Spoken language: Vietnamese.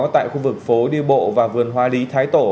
tại khu vực phố đi bộ và vườn hoa lý thái tổ